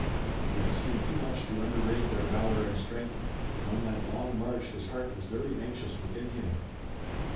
He had seen too much to underrate their valor and strength, and on that long march his heart was very anxious within him.